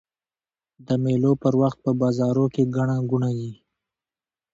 د مېلو پر وخت په بازارو کښي ګڼه ګوڼه يي.